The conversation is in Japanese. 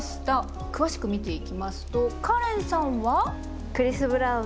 詳しく見ていきますとかれんさんは？